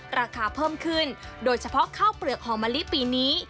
ราคาเพิ่มขึ้นโดยเฉพาะข้าวเปลือกหอมะลิปีนี้